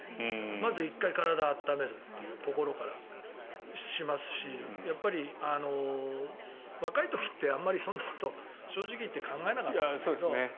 まず１回、体を温めるというところからしますし若い時ってあまりそんなこと正直言って考えなかった。